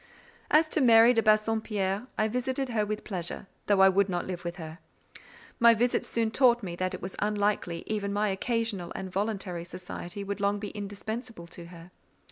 As to Mary de Bassompierre, I visited her with pleasure, though I would not live with her. My visits soon taught me that it was unlikely even my occasional and voluntary society would long be indispensable to her.